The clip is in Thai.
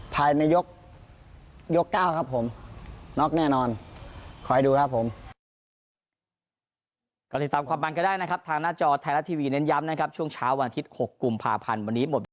ภายในยก๙ครับผมน็อกแน่นอนคอยดูครับผม